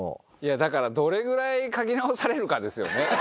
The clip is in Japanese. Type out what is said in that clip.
だからどれぐらい書き直されるかですよね。